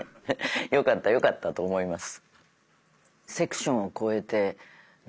よかったよかったと思います。